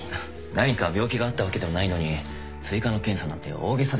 何か病気があったわけではないのに追加の検査なんて大げさですよ。